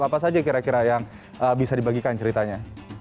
apa saja kira kira yang bisa dibagikan ceritanya